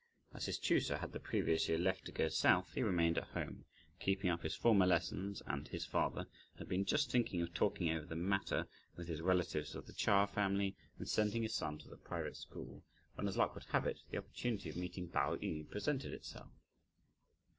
As his tutor had the previous year left to go south, he remained at home keeping up his former lessons; and (his father) had been just thinking of talking over the matter with his relatives of the Chia family, and sending his son to the private school, when, as luck would have it, this opportunity of meeting Pao yü presented itself.